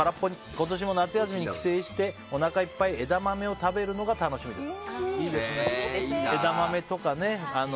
今年も夏休みに帰省しておなかいっぱい枝豆を食べるのが楽しみです。